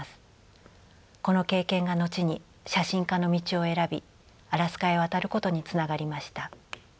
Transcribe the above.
この経験が後に写真家の道を選びアラスカへ渡ることにつながりました。